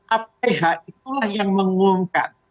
aph itulah yang mengungkat